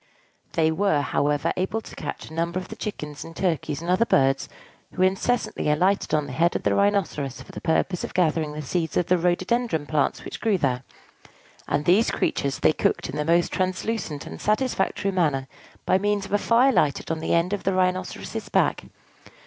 They were, however, able to catch numbers of the chickens and turkeys and other birds who incessantly alighted on the head of the Rhinoceros for the purpose of gathering the seeds of the rhododendron plants which grew there; and these creatures they cooked in the most translucent and satisfactory manner by means of a fire lighted on the end of the Rhinoceros's back.